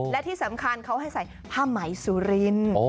และที่สำคัญเขาให้ใส่ผ้าไหมสุรินทร์